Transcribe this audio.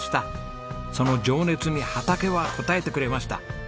その情熱に畑は応えてくれました。